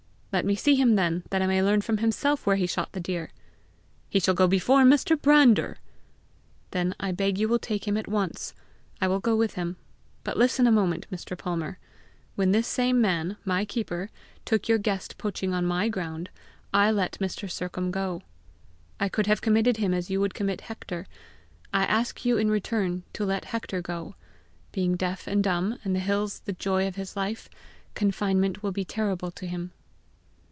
"Let me see him then, that I may learn from himself where he shot the deer." "He shall go before Mr. Brander." "Then I beg you will take him at once. I will go with him. But listen a moment, Mr. Palmer. When this same man, my keeper, took your guest poaching on my ground, I let Mr. Sercombe go. I could have committed him as you would commit Hector. I ask you in return to let Hector go. Being deaf and dumb, and the hills the joy of his life, confinement will be terrible to him."